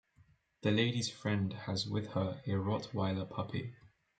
The lady's friend has with her a rottweiler puppy.